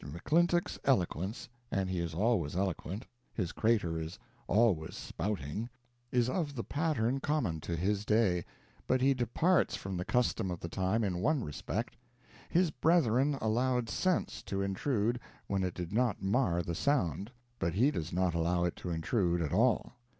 McClintock's eloquence and he is always eloquent, his crater is always spouting is of the pattern common to his day, but he departs from the custom of the time in one respect: his brethren allowed sense to intrude when it did not mar the sound, but he does not allow it to intrude at all.